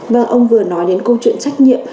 vâng ông vừa nói đến câu chuyện trách nhiệm